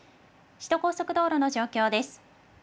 首都高速道路の状況です。